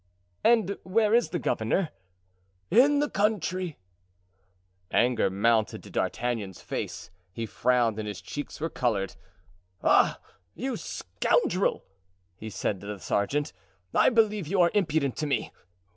"And where is the governor?" "In the country." Anger mounted to D'Artagnan's face; he frowned and his cheeks were colored. "Ah, you scoundrel!" he said to the sergeant, "I believe you are impudent to me!